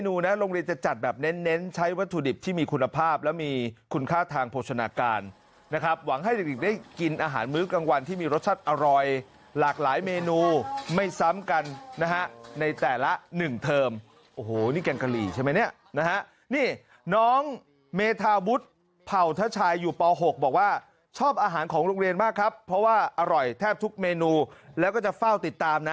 อุ่นในการใช้วัตถุดิบที่มีคุณภาพและมีคุณค่าทางโปรชนาการนะครับหวังให้เด็กได้กินอาหารมื้อกลางวันที่มีรสชาติอร่อยหลากหลายเมนูไม่ซ้ำกันนะฮะในแต่ละ๑เทอมโห้นี่แก่งกะลี่ใช่ไหมเนี่ยนะฮะนี่น้องเมทาบุ๊ตเผ่าทะชายอยู่ปาว๖บอกว่าชอบอาหารของโรงเรียนมากครับเพราะว่าอร่อยแทบท